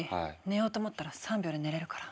寝ようと思ったら３秒で寝れるから。